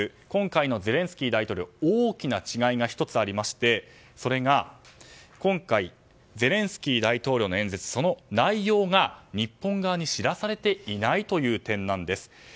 今回のゼレンスキー大統領大きな違いが１つありましてそれが、今回のゼレンスキー大統領の演説その内容が、日本側に知らされていないという点です。